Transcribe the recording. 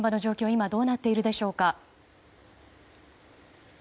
今どうなっているでしょうか。